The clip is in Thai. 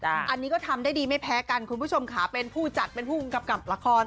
อันนี้ก็ทำได้ดีไม่แพ้กันคุณผู้ชมค่ะเป็นผู้จัดเป็นผู้กำกับละคร